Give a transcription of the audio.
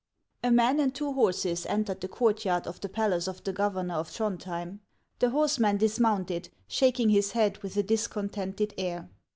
A MAN and two horses entered the courtyard of the palace of the governor of Throndhjem. The horse man dismounted, shaking his head with a discontented air.